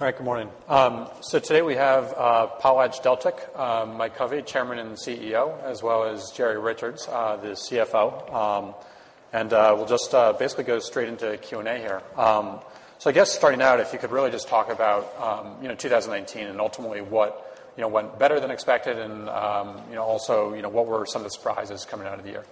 All right. Good morning. Today we have PotlatchDeltic, Mike Covey, Chairman and CEO, as well as Jerry Richards, the CFO. We'll just basically go straight into Q&A here. I guess starting out, if you could really just talk about 2019 and ultimately what went better than expected and also what were some of the surprises coming out of the year?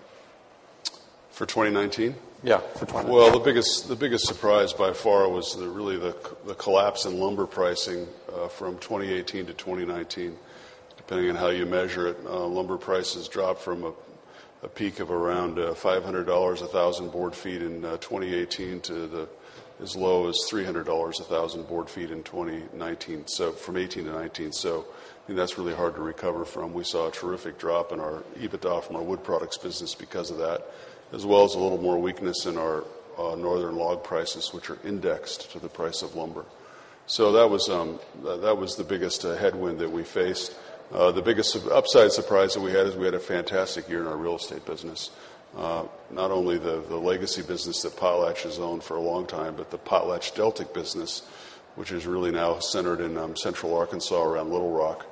For 2019? Yeah, for 2019. The biggest surprise by far was really the collapse in lumber pricing from 2018 to 2019. Depending on how you measure it, lumber prices dropped from a peak of around $500 a thousand board feet in 2018 to as low as $300 a thousand board feet in 2019, from 2018 to 2019. I think that's really hard to recover from. We saw a terrific drop in our EBITDA from our wood products business because of that, as well as a little more weakness in our northern log prices, which are indexed to the price of lumber. That was the biggest headwind that we faced. The biggest upside surprise that we had is we had a fantastic year in our real estate business. Not only the legacy business that Potlatch has owned for a long time, but the PotlatchDeltic business, which is really now centered in Central Arkansas around Little Rock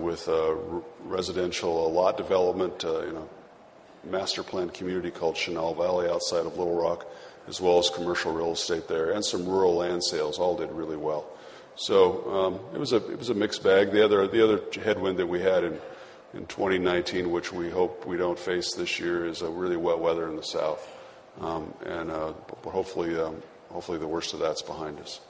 with a residential lot development, master planned community called Chenal Valley outside of Little Rock, as well as commercial real estate there, and some rural land sales all did really well. It was a mixed bag. The other headwind that we had in 2019, which we hope we don't face this year, is really wet weather in the south. Hopefully the worst of that's behind us.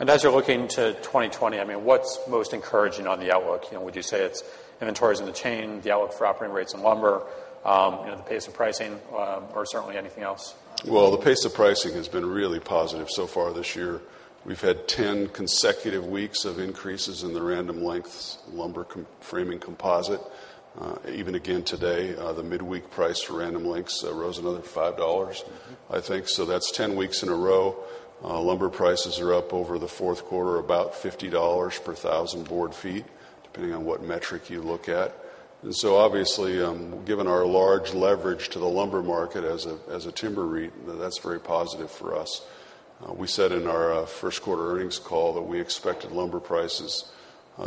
As you're looking to 2020, what's most encouraging on the outlook? Would you say it's inventories in the chain, the outlook for operating rates in lumber, the pace of pricing, or certainly anything else? Well, the pace of pricing has been really positive so far this year. We've had 10 consecutive weeks of increases in the Random Lengths lumber framing composite. Even again today the midweek price for Random Lengths rose another $5, I think. That's 10 weeks in a row. Lumber prices are up over the fourth quarter, about $50 per thousand board feet, depending on what metric you look at. Obviously given our large leverage to the lumber market as a timber REIT, that's very positive for us. We said in our first quarter earnings call that we expected lumber prices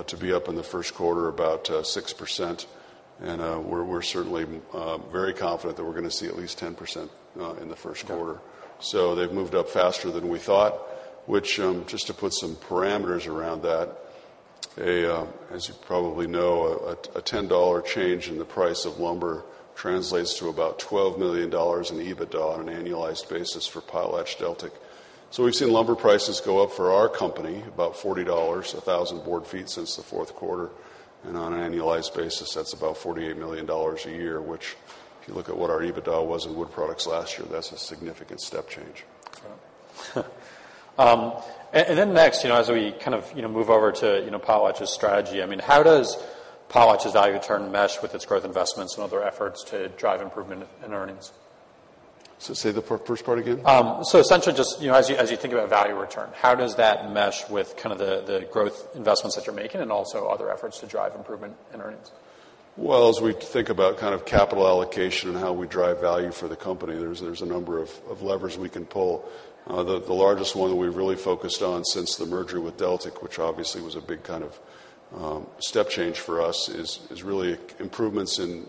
to be up in the first quarter about 6%, and we're certainly very confident that we're going to see at least 10% in the first quarter. They've moved up faster than we thought, which just to put some parameters around that, as you probably know a $10 change in the price of lumber translates to about $12 million in EBITDA on an annualized basis for PotlatchDeltic. We've seen lumber prices go up for our company about $40 a thousand board feet since the fourth quarter, and on an annualized basis that's about $48 million a year, which if you look at what our EBITDA was in wood products last year, that's a significant step change. Sure. Next, as we kind of move over to, you know, Potlatch's strategy, how does Potlatch's value return mesh with its growth investments and other efforts to drive improvement in earnings? Say the first part again. Essentially just as you think about value return, how does that mesh with kind of the growth investments that you're making and also other efforts to drive improvement in earnings? Well, as we think about kind of capital allocation and how we drive value for the company, there's a number of levers we can pull. The largest one that we've really focused on since the merger with Deltic, which obviously was a big kind of step change for us is really improvements in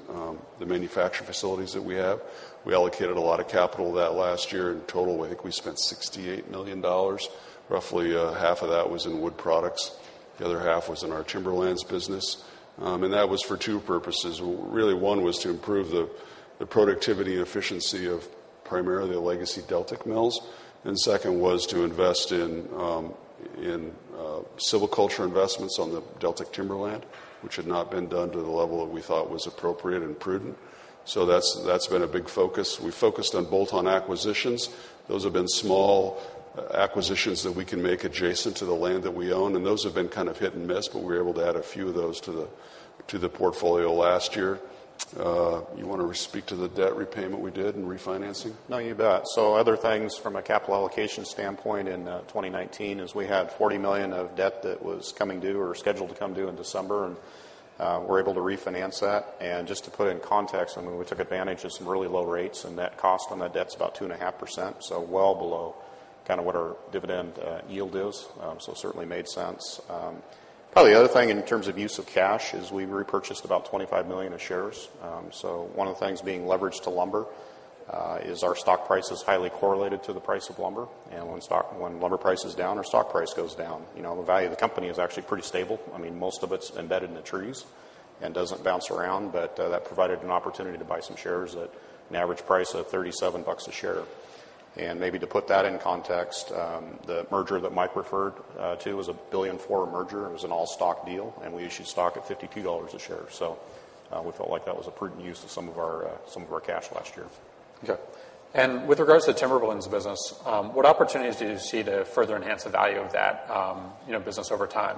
the manufacturing facilities that we have. We allocated a lot of capital to that last year. In total, I think we spent $68 million. Roughly half of that was in wood products. The other half was in our timberlands business. That was for two purposes. Really, one was to improve the productivity and efficiency of primarily the legacy Deltic mills. Second was to invest in silviculture investments on the Deltic timberland, which had not been done to the level that we thought was appropriate and prudent. That's been a big focus. We focused on bolt-on acquisitions. Those have been small acquisitions that we can make adjacent to the land that we own, and those have been kind of hit-and-miss, but we were able to add a few of those to the portfolio last year. You want to speak to the debt repayment we did and refinancing? You bet. Other things from a capital allocation standpoint in 2019 is we had $40 million of debt that was coming due or scheduled to come due in December, and we're able to refinance that. Just to put it in context, I mean, we took advantage of some really low rates, and net cost on that debt's about 2.5%, so well below kind of what our dividend yield is. Certainly made sense. Probably the other thing in terms of use of cash is we repurchased about $25 million of shares. One of the things being leveraged to lumber is our stock price is highly correlated to the price of lumber, and when lumber price is down, our stock price goes down. The value of the company is actually pretty stable. I mean, most of it's embedded in the trees and doesn't bounce around. That provided an opportunity to buy some shares at an average price of $37 a share. Maybe to put that in context, the merger that Mike referred to was a $1.4 billion merger. It was an all-stock deal, and we issued stock at $52 a share. We felt like that was a prudent use of some of our cash last year. Okay. With regards to the timberlands business, what opportunities do you see to further enhance the value of that business over time?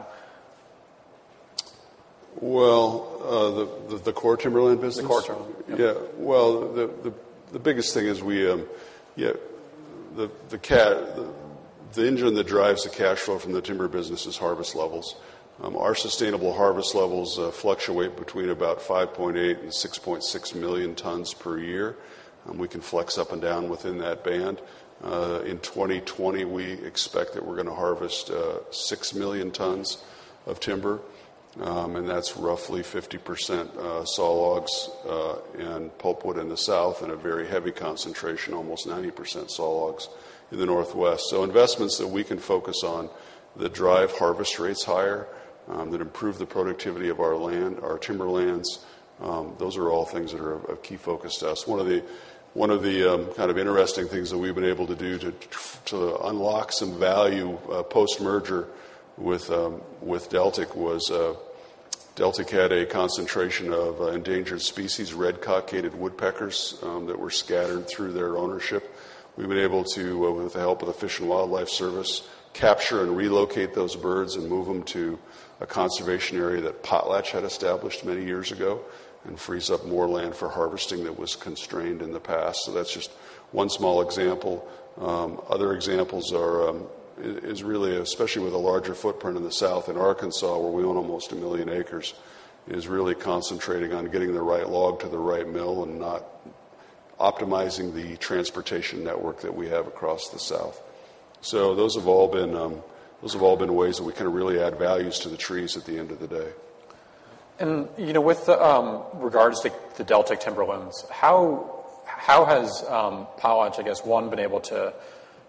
Well, the core timberland business? The core timberland. Yeah, well, the biggest thing is we.. The engine that drives the cash flow from the timber business is harvest levels. Our sustainable harvest levels fluctuate between about 5.8 and 6.6 million tons per year. We can flex up and down within that band. In 2020, we expect that we're going to harvest 6 million tons of timber, and that's roughly 50% sawlogs and pulpwood in the South, and a very heavy concentration, almost 90% sawlogs in the Northwest. Investments that we can focus on that drive harvest rates higher, that improve the productivity of our timberlands, those are all things that are of key focus to us. One of the interesting things that we've been able to do to unlock some value post-merger with Deltic was a-- Deltic had a concentration of endangered species, red-cockaded woodpeckers, that were scattered through their ownership. We've been able to, with the help of the U.S. Fish and Wildlife Service, capture and relocate those birds and move them to a conservation area that PotlatchDeltic had established many years ago and frees up more land for harvesting that was constrained in the past. That's just one small example. Other examples is really especially with a larger footprint in the South in Arkansas, where we own almost 1 million acres, is really concentrating on getting the right log to the right mill and not optimizing the transportation network that we have across the South. Those have all been ways that we can really add values to the trees at the end of the day. With regards to the Deltic timberlands, how has Potlatch, I guess, one, been able to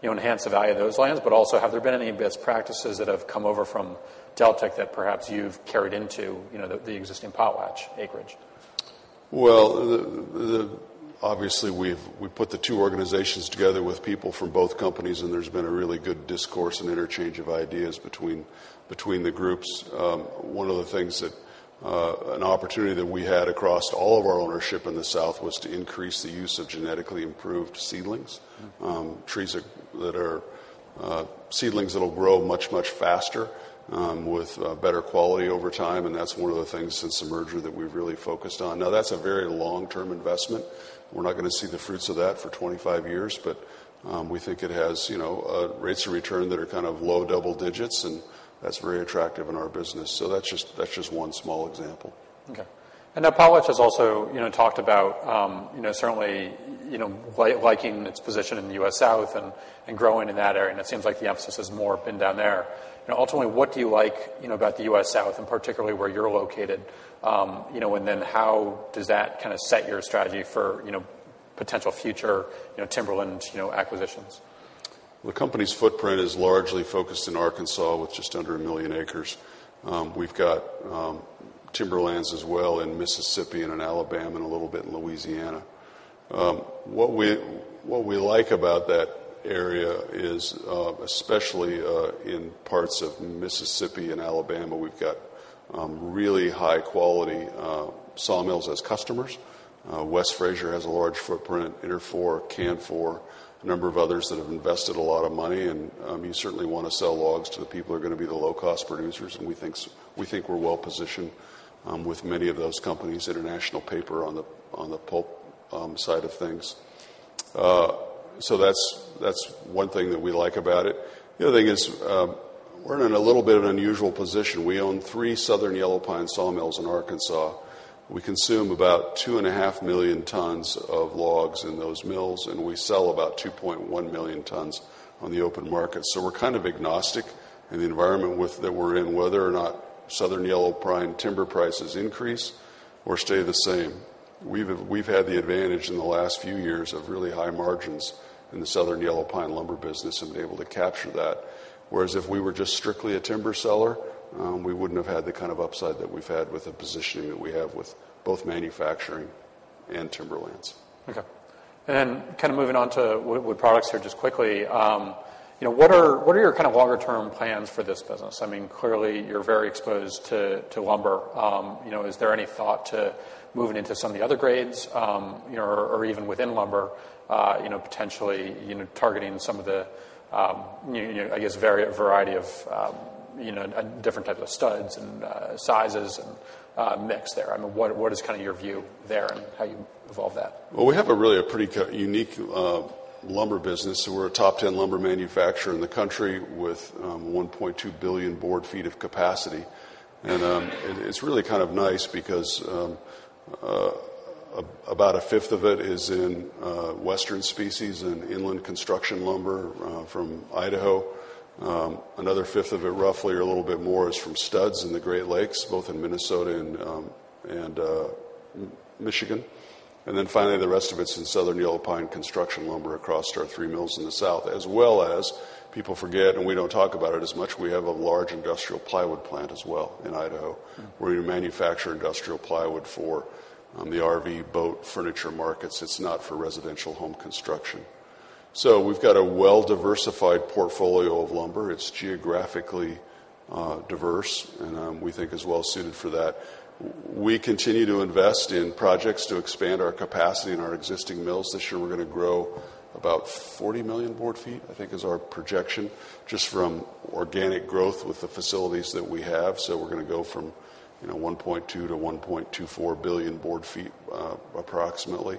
enhance the value of those lands, but also have there been any best practices that have come over from Deltic that perhaps you've carried into the existing Potlatch acreage? Well, obviously we've put the two organizations together with people from both companies, and there's been a really good discourse and interchange of ideas between the groups. One of the things that an opportunity that we had across all of our ownership in the South was to increase the use of genetically improved seedlings. Seedlings that'll grow much, much faster with better quality over time, and that's one of the things since the merger that we've really focused on. Now, that's a very long-term investment. We're not going to see the fruits of that for 25 years, but we think it has rates of return that are low double digits, and that's very attractive in our business. That's just one small example. Okay. Now Potlatch has also, you know, talked about certainly liking its position in the U.S. South and growing in that area, and it seems like the emphasis has more been down there. Ultimately, what do you like about the U.S. South, and particularly where you're located? How does that set your strategy for potential future timberland acquisitions? The company's footprint is largely focused in Arkansas with just under a million acres. We've got timberlands as well in Mississippi and in Alabama and a little bit in Louisiana. What we like about that area is, especially in parts of Mississippi and Alabama, we've got really high-quality sawmills as customers. West Fraser has a large footprint, Interfor, Canfor, a number of others that have invested a lot of money, and you certainly want to sell logs to the people who are going to be the low-cost producers, and we think we're well-positioned with many of those companies, International Paper on the pulp side of things. That's one thing that we like about it. The other thing is we're in a little bit of an unusual position. We own three Southern Yellow Pine sawmills in Arkansas. We consume about 2.5 million tons of logs in those mills, and we sell about 2.1 million tons on the open market. We're kind of agnostic in the environment that we're in, whether or not Southern Yellow Pine timber prices increase or stay the same. We've had the advantage in the last few years of really high margins in the Southern Yellow Pine lumber business and been able to capture that, whereas if we were just strictly a timber seller, we wouldn't have had the kind of upside that we've had with the positioning that we have with both manufacturing and timberlands. Okay. Then moving on to wood products here just quickly. What are your longer-term plans for this business? I mean, clearly, you're very exposed to lumber. Is there any thought to moving into some of the other grades or even within lumber potentially targeting some of the variety of different types of studs and sizes and mix there? What is your view there and how you evolve that? We have a really pretty unique lumber business. We're a top 10 lumber manufacturer in the country with $1.2 billion board feet of capacity. It's really kind of nice because about a fifth of it is in Western species and inland construction lumber from Idaho. Another fifth of it, roughly or a little bit more, is from studs in the Great Lakes, both in Minnesota and Michigan. Finally, the rest of it's in Southern Yellow Pine construction lumber across our three mills in the South, as well as people forget, and we don't talk about it as much, we have a large industrial plywood plant as well in Idaho where we manufacture industrial plywood for the RV boat furniture markets. It's not for residential home construction. We've got a well-diversified portfolio of lumber. It's geographically diverse, and we think is well suited for that. We continue to invest in projects to expand our capacity in our existing mills. This year, we're going to grow about 40 million board feet, I think is our projection, just from organic growth with the facilities that we have. We're going to go from 1.2 billion board feet-1.24 billion board feet approximately.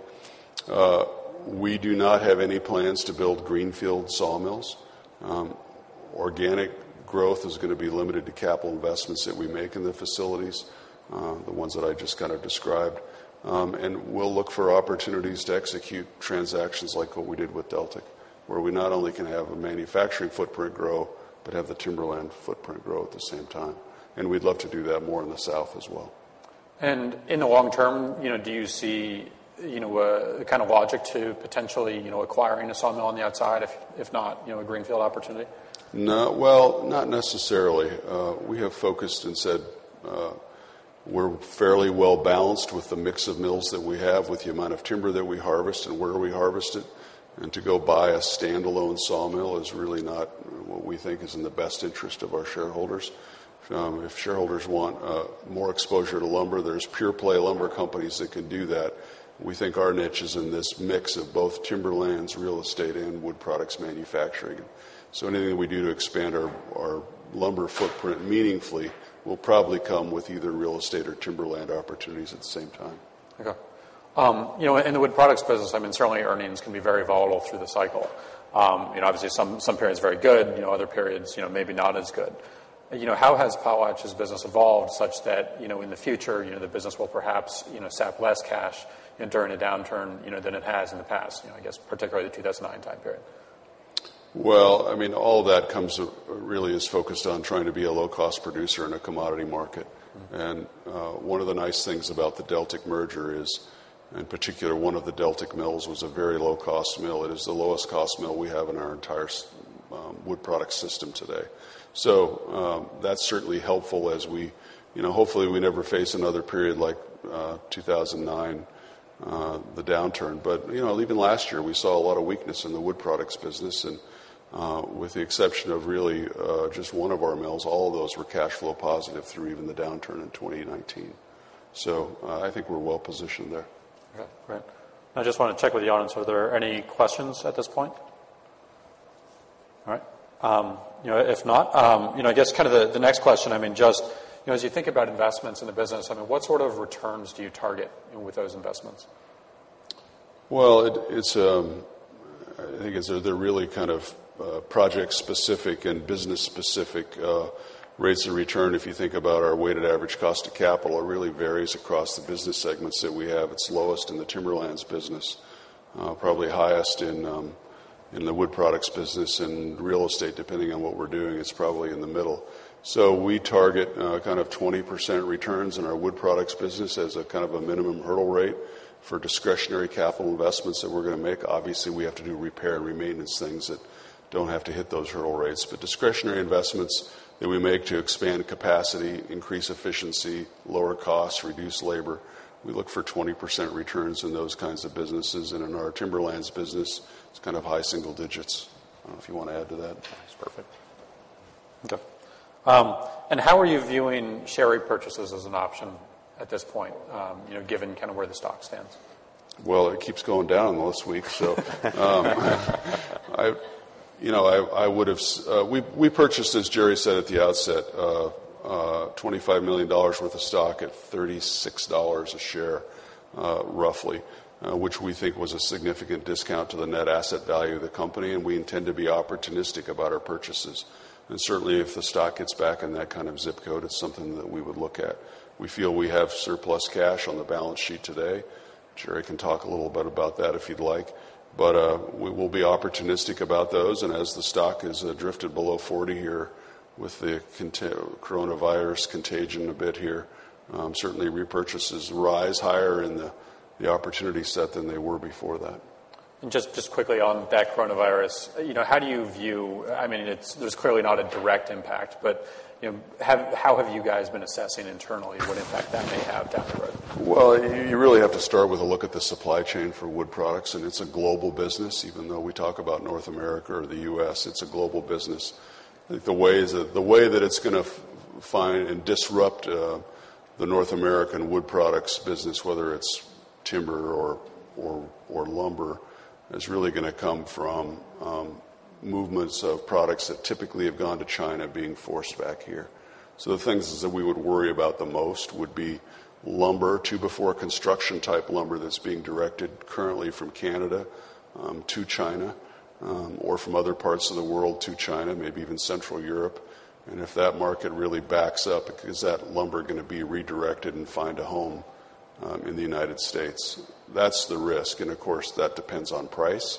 We do not have any plans to build greenfield sawmills. Organic growth is going to be limited to capital investments that we make in the facilities, the ones that I just described. We'll look for opportunities to execute transactions like what we did with Deltic, where we not only can have a manufacturing footprint grow, but have the timberland footprint grow at the same time. We'd love to do that more in the South as well. In the long term, do you see a kind of logic to potentially acquiring a sawmill on the outside, if not a greenfield opportunity? No. Well, not necessarily. We have focused and said we're fairly well-balanced with the mix of mills that we have with the amount of timber that we harvest and where we harvest it, and to go buy a standalone sawmill is really not what we think is in the best interest of our shareholders. If shareholders want more exposure to lumber, there are pure-play lumber companies that can do that. We think our niche is in this mix of both timberlands, real estate, and wood products manufacturing. Anything we do to expand our lumber footprint meaningfully will probably come with either real estate or timberland opportunities at the same time. Okay. In the wood products business, certainly earnings can be very volatile through the cycle. Obviously, some periods are very good, other periods, maybe not as good. How has Potlatch's business evolved such that in the future, the business will perhaps sap less cash during a downturn than it has in the past, I guess particularly the 2009 time period? Well, all of that really is focused on trying to be a low-cost producer in a commodity market. One of the nice things about the Deltic merger is, in particular, one of the Deltic mills was a very low-cost mill. It is the lowest cost mill we have in our entire wood product system today. That's certainly helpful as we Hopefully we never face another period like 2009, the downturn. But you know, even last year, we saw a lot of weakness in the wood products business, and with the exception of really just one of our mills, all of those were cash flow positive through even the downturn in 2019. I think we're well-positioned there. Okay, great. I just want to check with the audience. Are there any questions at this point? All right. If not, I guess kind of the next question, as you think about investments in the business, what sort of returns do you target with those investments? Well, it's.. I think they're really kind of project-specific and business-specific rates of return. If you think about our weighted average cost of capital, it really varies across the business segments that we have. It's lowest in the timberlands business, probably highest in the wood products business, and real estate, depending on what we're doing, is probably in the middle. So, we target kind of 20% returns in our wood products business as a kind of a minimum hurdle rate for discretionary capital investments that we're going to make. Obviously, we have to do repair and maintenance things that don't have to hit those hurdle rates. Discretionary investments that we make to expand capacity, increase efficiency, lower costs, reduce labor, we look for 20% returns in those kinds of businesses. In our timberlands business, it's kind of high single digits. I don't know if you want to add to that. That's perfect. Okay. How are you viewing share repurchases as an option at this point, given kind of where the stock stands? Well, it keeps going down this week. You know, we purchased, as Jerry said at the outset, $25 million worth of stock at $36 a share, roughly, which we think was a significant discount to the net asset value of the company. We intend to be opportunistic about our purchases. Certainly, if the stock gets back in that kind of zip code, it's something that we would look at. We feel we have surplus cash on the balance sheet today. Jerry can talk a little bit about that if he'd like. We will be opportunistic about those. As the stock has drifted below 40 here with the Coronavirus contagion a bit here, certainly repurchases rise higher in the opportunity set than they were before that. Just quickly on that Coronavirus, you know, how do you view, I mean it's.. There's clearly not a direct impact, but how have you guys been assessing internally what impact that may have down the road? You really have to start with a look at the supply chain for wood products. It's a global business even though we talk about North America or the U.S. It's a global business. The way that it's going to find and disrupt the North American wood products business, whether it's timber or lumber, is really going to come from movements of products that typically have gone to China being forced back here. The things that we would worry about the most would be lumber, 2/4 construction type lumber that's being directed currently from Canada to China, or from other parts of the world to China, maybe even Central Europe. If that market really backs up, is that lumber going to be redirected and find a home in the United States? That's the risk. Of course, that depends on price,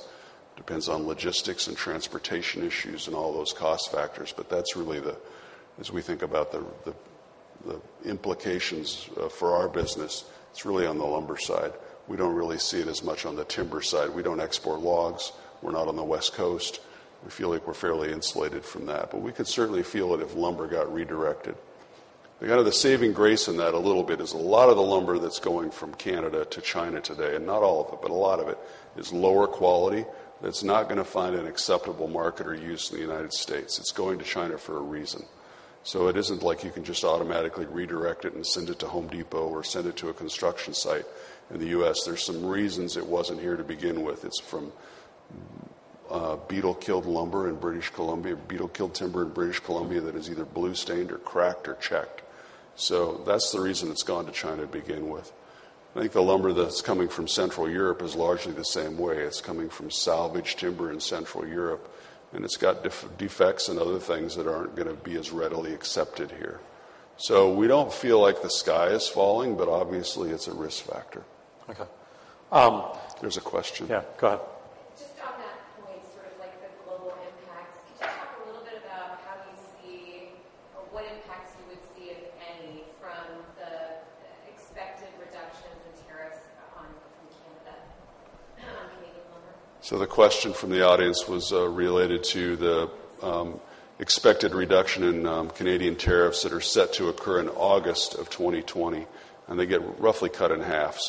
depends on logistics and transportation issues, and all those cost factors. As we think about the implications for our business, it's really on the lumber side. We don't really see it as much on the timber side. We don't export logs. We're not on the West Coast. We feel like we're fairly insulated from that. We could certainly feel it if lumber got redirected. The saving grace in that a little bit is a lot of the lumber that's going from Canada to China today, and not all of it, but a lot of it, is lower quality that's not going to find an acceptable market or use in the United States. It's going to China for a reason. It isn't like you can just automatically redirect it and send it to The Home Depot or send it to a construction site in the U.S. There are some reasons it wasn't here to begin with. It's from beetle-killed lumber in British Columbia, beetle-killed timber in British Columbia that is either blue-stained or cracked or checked. That's the reason it's gone to China to begin with. I think the lumber that's coming from Central Europe is largely the same way. It's coming from salvaged timber in Central Europe, and it's got defects and other things that aren't going to be as readily accepted here. So we don't feel like the sky is falling, but obviously it's a risk factor. Okay. There's a question. Yeah, go ahead. Just on that point, sort of like the global impacts, could you talk a little bit about how you see or what impacts you would see, if any, from the expected reduction in tariffs from Canada on Canadian lumber? The question from the audience was related to the expected reduction in Canadian tariffs that are set to occur in August of 2020, and they get roughly cut in half.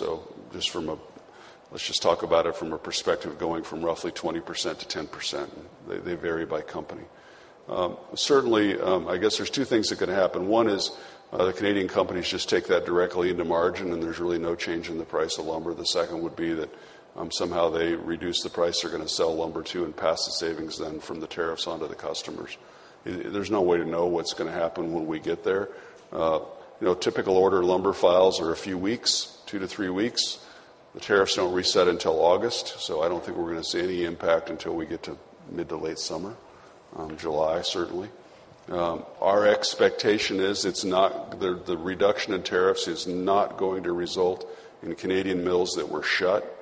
Let's just talk about it from a perspective of going from roughly 20%-10%, they vary by company. Certainly, I guess there's two things that could happen. One is the Canadian companies just take that directly into margin, and there's really no change in the price of lumber. The second would be that somehow they reduce the price they're going to sell lumber to and pass the savings then from the tariffs on to the customers. There's no way to know what's going to happen when we get there. Typical order lumber files are a few weeks, two to three weeks. The tariffs don't reset until August. I don't think we're going to see any impact until we get to mid to late summer, July certainly. Our expectation is the reduction in tariffs is not going to result in Canadian mills that were shut.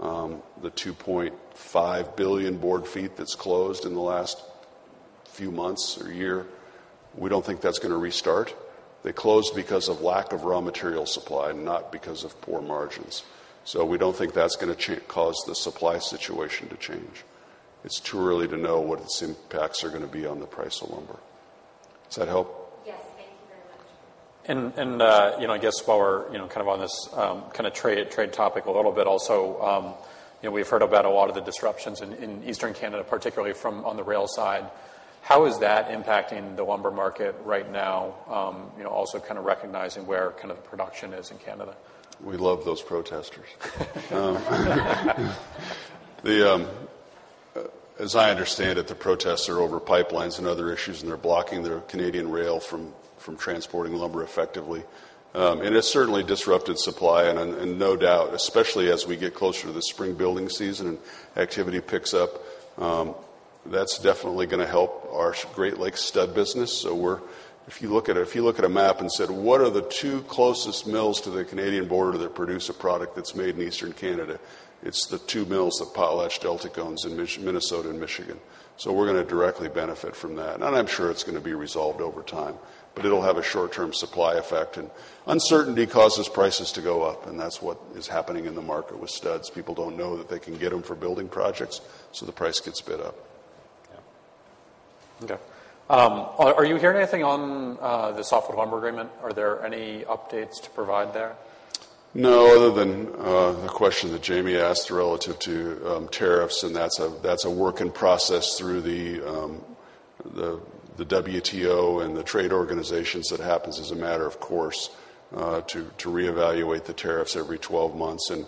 The 2.5 billion board feet that's closed in the last few months or year, we don't think that's going to restart. They closed because of lack of raw material supply, not because of poor margins. We don't think that's going to cause the supply situation to change. It's too early to know what its impacts are going to be on the price of lumber. Does that help? Yes, thank you very much. And, and the, you know, I guess while, you know, we're kind of on this-- kind of trade topic a little bit also, we've heard about a lot of the disruptions in Eastern Canada, particularly from on the rail side. How is that impacting the lumber market right now? Kind of recognizing where kind of the production is in Canada. We love those protesters. As I understand it, the protests are over pipelines and other issues, and they're blocking the Canadian rail from transporting lumber effectively. It certainly disrupted supply, and no doubt, especially as we get closer to the spring building season and activity picks up, that's definitely going to help our Great Lakes stud business. If you look at a map instead, what are the two closest mills to the Canadian border that produce a product that's made in Eastern Canada? It's the two mills that PotlatchDeltic owns in Minnesota and Michigan. We're going to directly benefit from that. I'm sure it's going to be resolved over time, but it'll have a short-term supply effect, and uncertainty causes prices to go up, and that's what is happening in the market with studs. People don't know that they can get them for building projects. The price gets bid up. Yeah. Okay. Are you hearing anything on the softwood lumber agreement? Are there any updates to provide there? No, other than the question that Jamie asked relative to tariffs, that's a work in process through the WTO and the trade organizations that happens as a matter of course to reevaluate the tariffs every 12 months, and,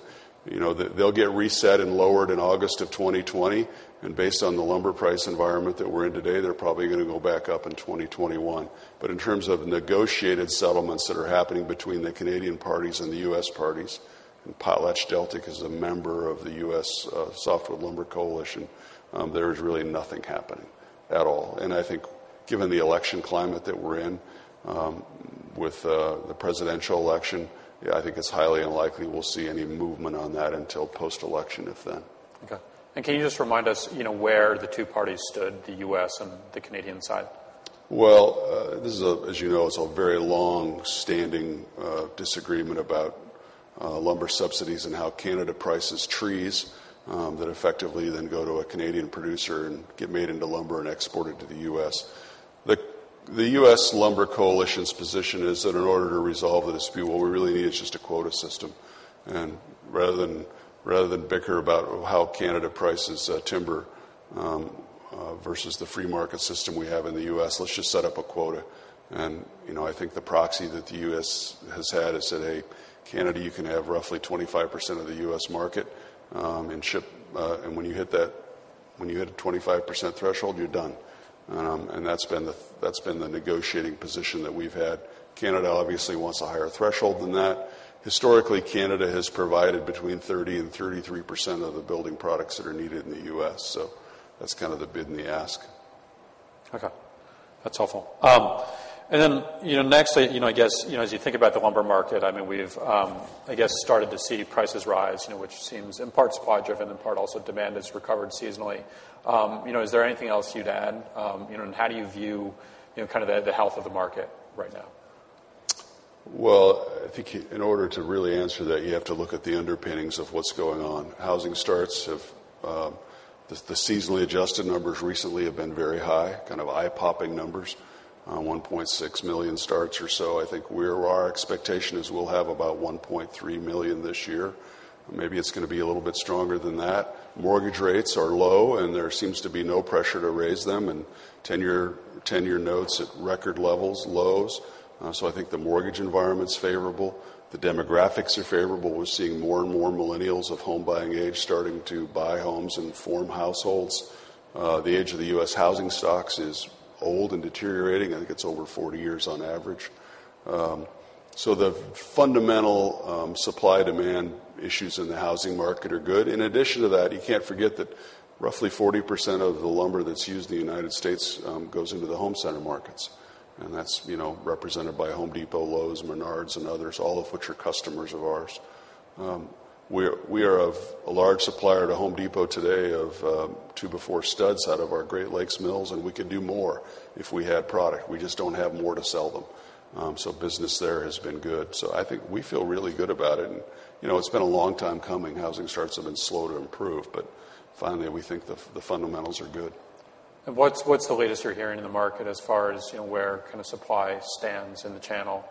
you know, they'll get reset and lowered in August of 2020. Based on the lumber price environment that we're in today, they're probably going to go back up in 2021. In terms of negotiated settlements that are happening between the Canadian parties and the U.S. parties, and PotlatchDeltic is a member of the U.S. Softwood Lumber Coalition, there is really nothing happening at all. I think given the election climate that we're in with the presidential election, I think it's highly unlikely we'll see any movement on that until post-election, if then. Okay. Can you just remind us where the two parties stood, the U.S. and the Canadian side? As you know, it's a very long-standing disagreement about lumber subsidies and how Canada prices trees that effectively then go to a Canadian producer and get made into lumber and exported to the U.S. The U.S. Lumber Coalition's position is that in order to resolve the dispute, what we really need is just a quota system. Rather than bicker about how Canada prices timber versus the free market system we have in the U.S., let's just set up a quota. I think the proxy that the U.S. has had is that, hey, Canada, you can have roughly 25% of the U.S. market, and when you hit a 25% threshold, you're done. That's been the negotiating position that we've had. Canada obviously wants a higher threshold than that. Historically, Canada has provided between 30%-33% of the building products that are needed in the U.S. That's kind of the bid and the ask. Okay. That's helpful. Next, I guess as you think about the lumber market, we've started to see prices rise, which seems in part supply-driven, in part also demand has recovered seasonally. Is there anything else you'd add? You know, how do you view kind of the health of the market right now? Well, I think in order to really answer that, you have to look at the underpinnings of what's going on. Housing starts of-- the seasonally adjusted numbers recently have been very high, kind of eye-popping numbers, $1.6 million starts or so. I think our expectation is we'll have about $1.3 million this year. Maybe it's going to be a little bit stronger than that. Mortgage rates are low, and there seems to be no pressure to raise them, and 10-year notes at record levels lows. I think the mortgage environment's favorable. The demographics are favorable. We're seeing more and more millennials of home buying age starting to buy homes and form households. The age of the U.S. housing stocks is old and deteriorating. I think it's over 40 years on average. The fundamental supply-demand issues in the housing market are good. In addition to that, you can't forget that roughly 40% of the lumber that's used in the U.S. goes into the home center markets, and that's represented by Home Depot, Lowe's, Menards, and others, all of which are customers of ours. We are a large supplier to Home Depot today of two-by-four studs out of our Great Lakes mills, and we could do more if we had product. We just don't have more to sell them. Business there has been good. I think we feel really good about it. It's been a long time coming. Housing starts have been slow to improve, finally, we think the fundamentals are good. What's the latest you're hearing in the market as far as where supply stands in the channel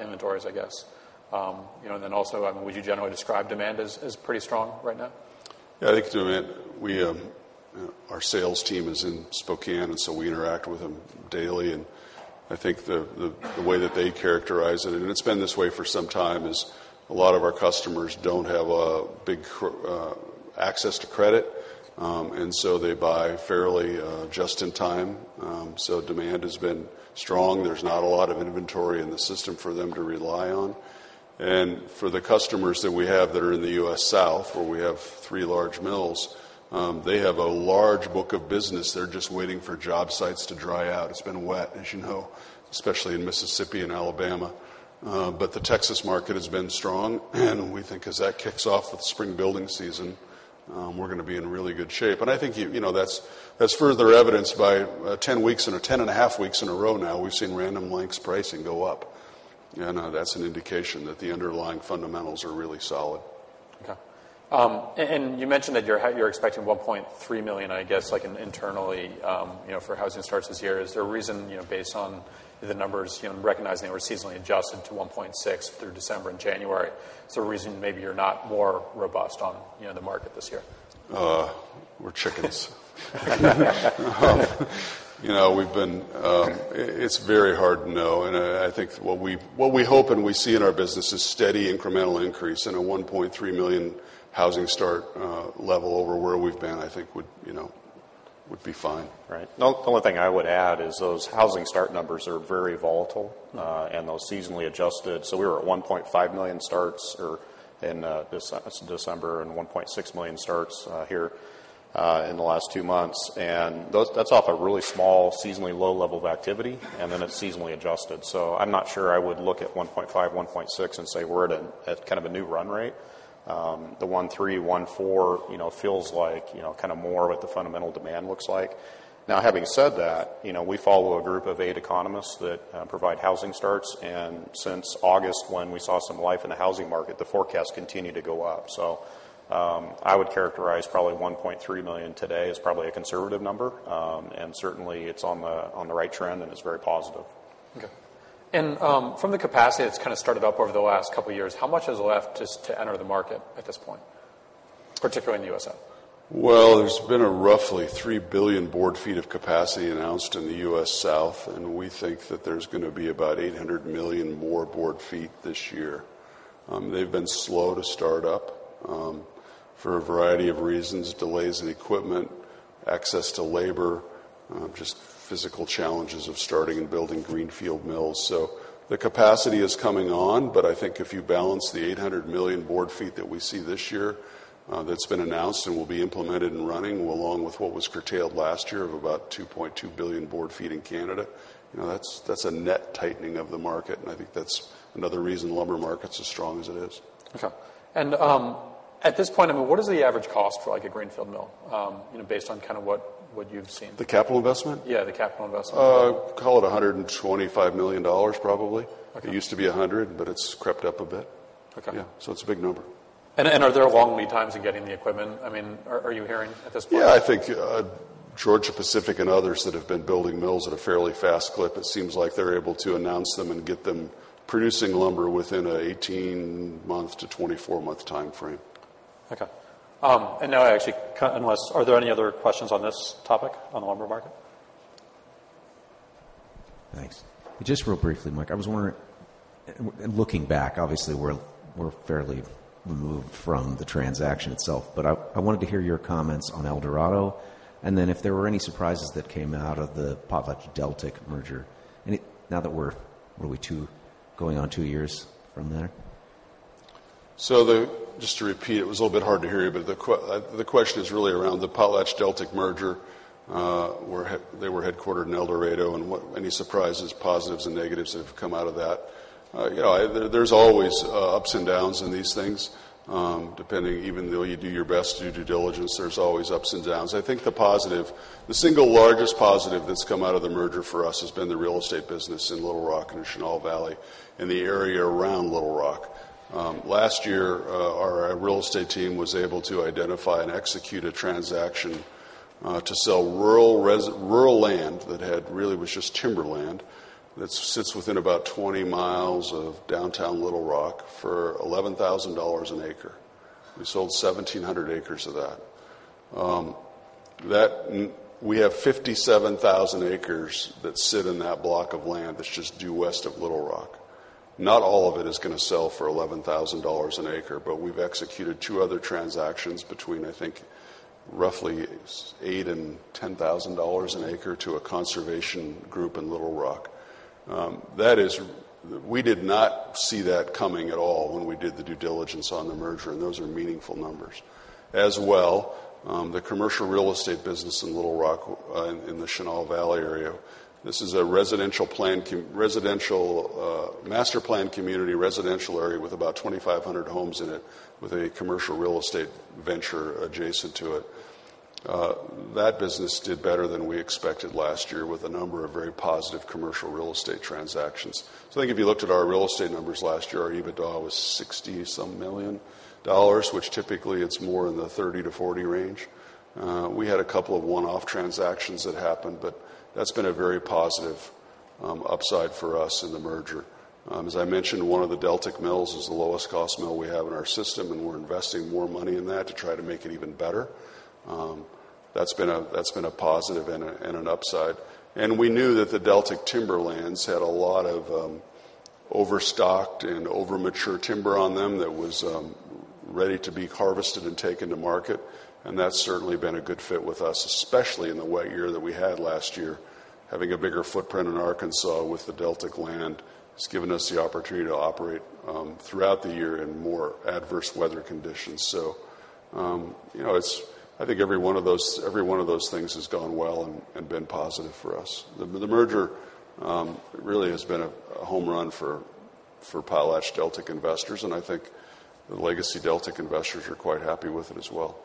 inventories, I guess? Also, would you generally describe demand as pretty strong right now? Yeah, I think demand, our sales team is in Spokane, and so we interact with them daily. I think the way that they characterize it, and it's been this way for some time, is a lot of our customers don't have a big access to credit, and so they buy fairly just in time. Demand has been strong. There's not a lot of inventory in the system for them to rely on. For the customers that we have that are in the U.S. South, where we have three large mills, they have a large book of business. They're just waiting for job sites to dry out. It's been wet, as you know, especially in Mississippi and Alabama. The Texas market has been strong, and we think as that kicks off with spring building season, we're going to be in really good shape. But I think that's further evidenced by 10 weeks, or 10.5 weeks in a row now, we've seen Random Lengths pricing go up. That's an indication that the underlying fundamentals are really solid. Okay. And you mentioned that you're expecting $1.3 million, I guess, internally for housing starts this year. Is there a reason based on the numbers, recognizing they were seasonally adjusted to 1.6 through December and January, is there a reason maybe you're not more robust on the market this year? We're chickens. It's very hard to know, and I think what we hope and we see in our business is steady incremental increase, and a 1.3 million housing start level over where we've been, I think would be fine. Right. The only thing I would add is those housing start numbers are very volatile, and though seasonally adjusted, so we were at 1.5 million starts in December and 1.6 million starts here in the last two months. That's off a really small seasonally low level of activity, and then it's seasonally adjusted. I'm not sure I would look at 1.5 million, 1.6 million and say we're at a new run rate. The 1.3 million, 1.4 million feels like more what the fundamental demand looks like. Now having said that, we follow a group of eight economists that provide housing starts, and since August, when we saw some life in the housing market, the forecasts continue to go up. I would characterize probably 1.3 million today as probably a conservative number. Certainly it's on the right trend, and it's very positive. Okay. From the capacity that's started up over the last couple of years, how much is left to enter the market at this point, particularly in the U.S. South? There's been a roughly 3 billion board feet of capacity announced in the U.S. South, and we think that there's going to be about 800 million more board feet this year. They've been slow to start up for a variety of reasons, delays in equipment, access to labor, just physical challenges of starting and building greenfield mills. The capacity is coming on, but I think if you balance the 800 million board feet that we see this year that's been announced and will be implemented and running, along with what was curtailed last year of about 2.2 billion board feet in Canada, that's a net tightening of the market, and I think that's another reason the lumber market's as strong as it is. Okay. At this point, what is the average cost for a greenfield mill based on what you've seen? The capital investment? Yeah, the capital investment. Call it $125 million probably. Okay. It used to be $100, but it's crept up a bit. Okay. Yeah. It's a big number. Are there long lead times in getting the equipment? Are you hearing at this point? Yeah, I think Georgia-Pacific and others that have been building mills at a fairly fast clip, it seems like they're able to announce them and get them producing lumber within an 18-month to 24-month timeframe. Okay. Now I actually, are there any other questions on this topic, on the lumber market? Thanks. Just real briefly, Mike, I was wondering, looking back, obviously we're fairly removed from the transaction itself, but I wanted to hear your comments on El Dorado, and then if there were any surprises that came out of the PotlatchDeltic merger now that we're going on two years from there? Just to repeat, it was a little bit hard to hear you, but the question is really around the PotlatchDeltic merger. They were headquartered in El Dorado and any surprises, positives, and negatives that have come out of that. There's always ups and downs in these things. Depending even though you do your best to do due diligence, there's always ups and downs. I think the single largest positive that's come out of the merger for us has been the real estate business in Little Rock, in the Chenal Valley, and the area around Little Rock. Last year, our real estate team was able to identify and execute a transaction to sell rural land that really was just timberland that sits within about 20 mi of downtown Little Rock for $11,000 an acre. We sold 1,700 acres of that. We have 57,000 acres that sit in that block of land that's just due west of Little Rock. Not all of it is going to sell for $11,000 an acre, but we've executed two other transactions between I think roughly $8,000 and 10,000 an acre to a conservation group in Little Rock. We did not see that coming at all when we did the due diligence on the merger, and those are meaningful numbers. As well, the commercial real estate business in Little Rock in the Chenal Valley area, this is a master planned community residential area with about 2,500 homes in it with a commercial real estate venture adjacent to it. That business did better than we expected last year with a number of very positive commercial real estate transactions. I think if you looked at our real estate numbers last year, our EBITDA was $60-some million, which typically it's more in the $30 million-40 million range. We had a couple of one-off transactions that happened, but that's been a very positive upside for us in the merger. As I mentioned, one of the Deltic mills is the lowest cost mill we have in our system, and we're investing more money in that to try to make it even better. That's been a positive and an upside. We knew that the Deltic Timberlands had a lot of overstocked and overmature timber on them that was ready to be harvested and taken to market, and that's certainly been a good fit with us, especially in the wet year that we had last year. Having a bigger footprint in Arkansas with the Deltic land has given us the opportunity to operate throughout the year in more adverse weather conditions. I think every one of those things has gone well and been positive for us. The merger really has been a home run for PotlatchDeltic investors, and I think the legacy Deltic investors are quite happy with it as well.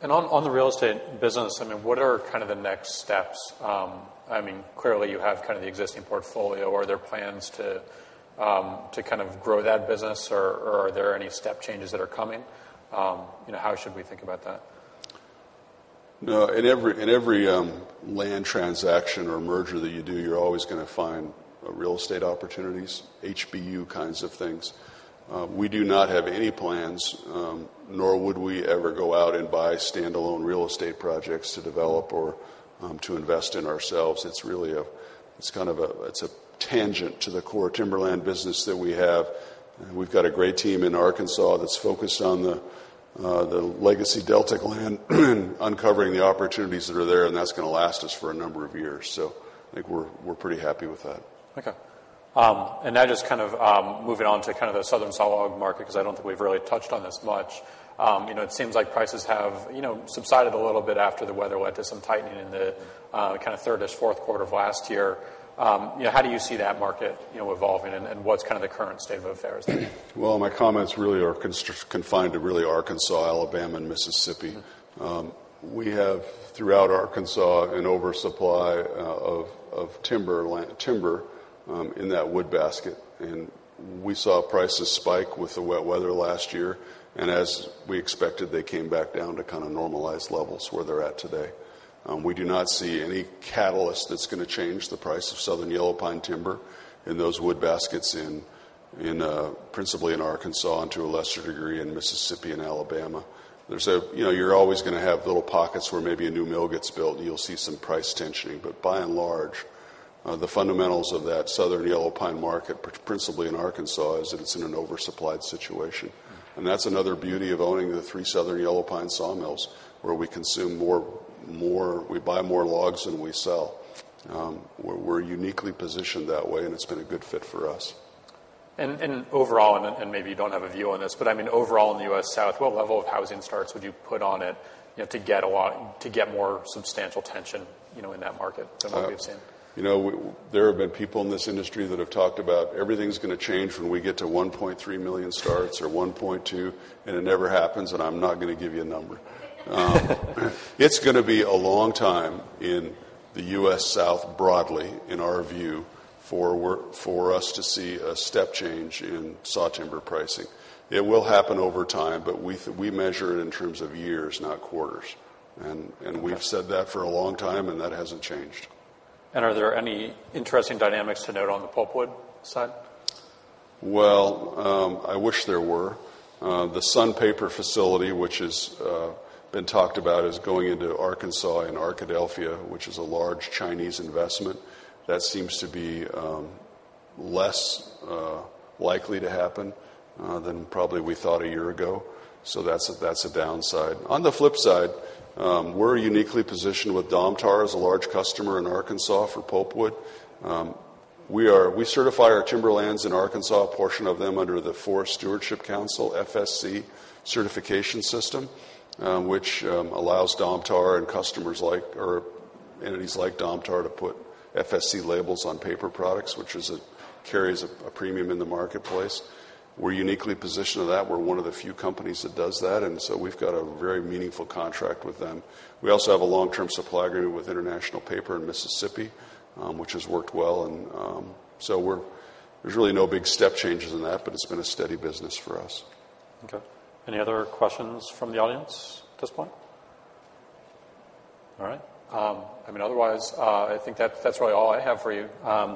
On the real estate business, what are the next steps? Clearly, you have the existing portfolio. Are there plans to grow that business, or are there any step changes that are coming? How should we think about that? In every land transaction or merger that you do, you're always going to find real estate opportunities, HBU kinds of things. We do not have any plans, nor would we ever go out and buy standalone real estate projects to develop or to invest in ourselves. It's a tangent to the core timberland business that we have. We've got a great team in Arkansas that's focused on the legacy Deltic land, uncovering the opportunities that are there, and that's going to last us for a number of years. I think we're pretty happy with that. Okay. Now just moving on to the southern sawlog market, because I don't think we've really touched on this much. It seems like prices have subsided a little bit after the weather led to some tightening in the third-ish, fourth quarter of last year. How do you see that market evolving, and what's the current state of affairs there? Well, my comments really are confined to Arkansas, Alabama, and Mississippi. We have, throughout Arkansas, an oversupply of timber in that wood basket, and we saw prices spike with the wet weather last year, and as we expected, they came back down to normalized levels where they're at today. We do not see any catalyst that's going to change the price of Southern Yellow Pine timber in those wood baskets principally in Arkansas and to a lesser degree in Mississippi and Alabama. By and large, the fundamentals of that Southern Yellow Pine market, principally in Arkansas, is that it's in an oversupplied situation. That's another beauty of owning the three Southern Yellow Pine sawmills, where we buy more logs than we sell. We're uniquely positioned that way, and it's been a good fit for us. Overall, and maybe you don't have a view on this, but overall in the U.S. South, what level of housing starts would you put on it to get more substantial tension in that market than what we've seen? There have been people in this industry that have talked about everything's going to change when we get to $1.3 million starts or 1.2 million, and it never happens, and I'm not going to give you a number. It's going to be a long time in the U.S. South broadly, in our view, for us to see a step change in saw timber pricing. It will happen over time, but we measure it in terms of years, not quarters. Okay. We've said that for a long time, and that hasn't changed. Are there any interesting dynamics to note on the pulpwood side? I wish there were. The Sun Paper facility, which has been talked about as going into Arkansas in Arkadelphia, which is a large Chinese investment, that seems to be less likely to happen than probably we thought a year ago. That's a downside. On the flip side, we're uniquely positioned with Domtar as a large customer in Arkansas for pulpwood. We certify our timberlands in Arkansas, a portion of them under the Forest Stewardship Council, FSC certification system, which allows Domtar and entities like Domtar to put FSC labels on paper products, which carries a premium in the marketplace. We're uniquely positioned to that. We're one of the few companies that does that. We've got a very meaningful contract with them. We also have a long-term supply agreement with International Paper in Mississippi, which has worked well. There's really no big step changes in that. It's been a steady business for us. Okay. Any other questions from the audience at this point? All right. Otherwise, I think that's really all I have for you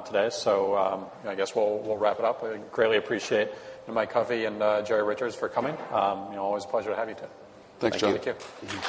today. I guess we'll wrap it up. I greatly appreciate Mike Covey and Jerry Richards for coming. Always a pleasure to have you two. Thanks, John. Thank you.